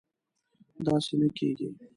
داسې نه کېږي